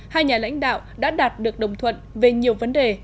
hai nhà lãnh đạo đã đạt được đồng thuận về nhiều vấn đề